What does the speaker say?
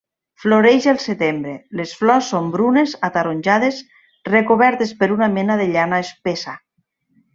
Floreix el setembre, les flors són brunes ataronjades recobertes per una mena de llana espessa.